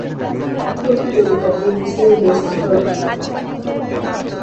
প্রতিযোগিতাটি ছিল বেশ বিতর্কিত।